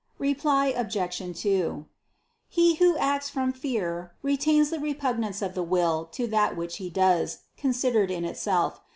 Reply Obj. 2: He who acts from fear retains the repugnance of the will to that which he does, considered in itself.